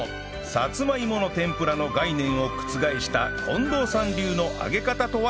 さつまいもの天ぷらの概念を覆した近藤さん流の揚げ方とは？